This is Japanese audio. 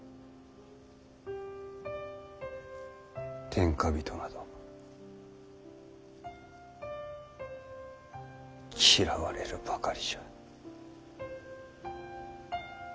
天下人など嫌われるばかりじゃ。